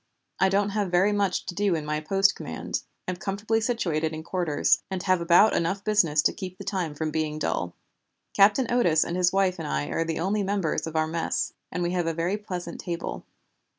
I don't have very much to do in my post command, am comfortably situated in quarters, and have about enough business to keep the time from being dull. Captain Otis and his wife and I are the only members of our mess, and we have a very pleasant table.